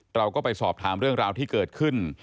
เราก็ไปสอบถามเรื่องราวที่เกิดขึ้น